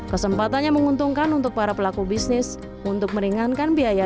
kesempatannya menguntungkan untuk para pelaku bisnis untuk meringankan biaya